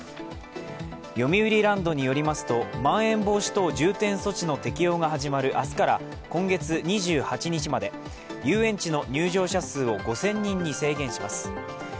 よみうりランドによりますと、まん延防止等重点措置の適用が始まる明日から今月２８日まで、遊園地の入場者数を５０００人に制限します。